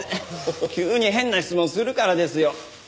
急に変な質問するからですよ。